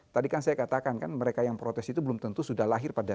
tadi kan saya katakan kan mereka yang protes itu belum tentu sudah lahir pada